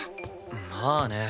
まあね。